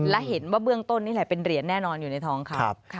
และเห็นว่าเบื้องต้นนี่แหละเป็นเหรียญแน่นอนอยู่ในท้องเขา